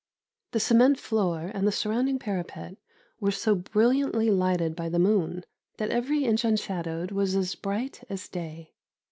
The cement floor and surrounding parapet were so brilliantly lighted by the moon, that every inch unshadowed was as bright as day.